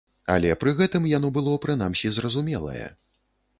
Але пры гэтым яно было прынамсі зразумелае.